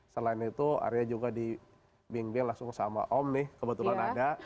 selain itu arya juga di bing bay langsung sama om nih kebetulan ada